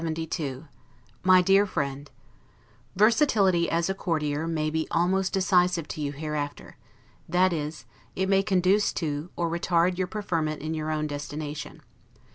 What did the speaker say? LETTER CLXXII MY DEAR FRIEND: Versatility as a courtier may be almost decisive to you hereafter; that is, it may conduce to, or retard your preferment in your own destination.